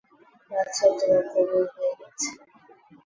বাচ্চার দোয়া কবুল হয়ে গেছে।